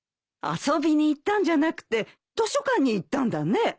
遊びに行ったんじゃなくて図書館に行ったんだね。